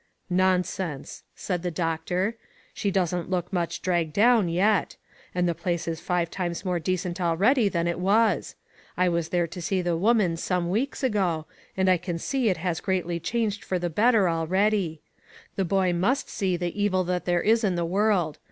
" Nonsense !" said the doctor. " She doesn't look much dragged down yet; and the place is five times more decent already than it was. I was there to see the woman some weeks ago, and I can see it has greatly changed for the better already. The boy must see the evil that there is in the world.